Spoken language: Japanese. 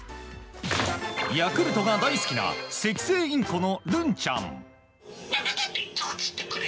ヤクルトが大好きなセキセイインコのるんちゃん。